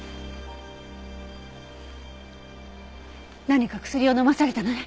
何か薬を飲まされたのね。